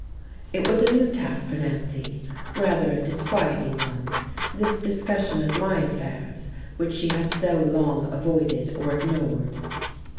It was a new tack for Nancy, rather a disquieting one, this discussion of my affairs, which she had so long avoided or ignored.